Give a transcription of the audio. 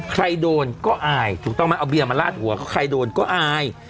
ใครโดนก็อายถูกต้องไหมเอาเบียร์มาลาดหัวก็ใครโดนก็อาย